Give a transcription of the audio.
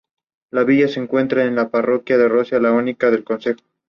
Se localiza en la Jacetania, provincia de Huesca.